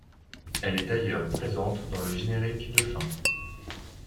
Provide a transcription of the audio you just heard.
Elle est d'ailleurs présente dans le générique de fin.